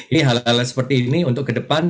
ini hal hal seperti ini untuk kedepan